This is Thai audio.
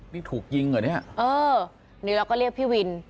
นี่ถูกยิงเหรอเนี่ยเออนี่เราก็เรียกพี่วิน